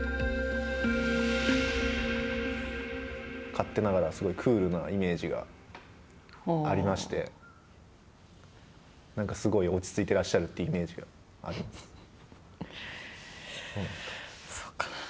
勝手ながらすごいクールなイメージがありましてなんか、すごい落ち着いていらっしゃるというそうかあ。